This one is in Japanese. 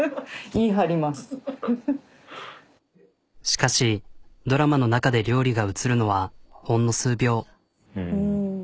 しかしドラマの中で料理が映るのはほんの数秒。